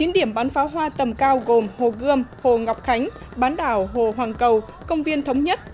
chín điểm bắn pháo hoa tầm cao gồm hồ gươm hồ ngọc khánh bán đảo hồ hoàng cầu công viên thống nhất